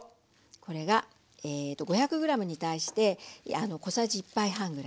これが５００ｇに対して小さじ１杯半ぐらいね。